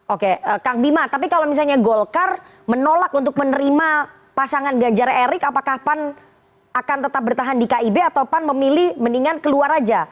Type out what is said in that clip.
oke kang bima tapi kalau misalnya golkar menolak untuk menerima pasangan ganjar erik apakah pan akan tetap bertahan di kib atau pan memilih mendingan keluar aja